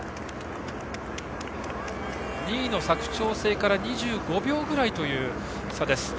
２位の佐久長聖から２５秒ぐらいという差です。